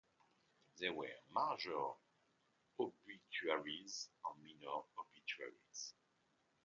There were major obituaries and minor obituaries.